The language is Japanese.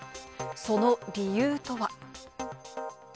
その理由とは。